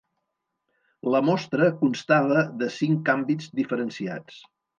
La mostra constava de cinc àmbits diferenciats.